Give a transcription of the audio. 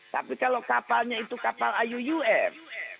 tapi kalau kapalnya itu kapal iuuf